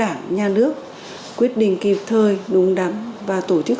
anh là người điều khiển không tiện